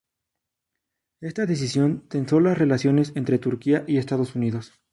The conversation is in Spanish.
Esta decisión tensó las relaciones entre Turquía y Estados Unidos.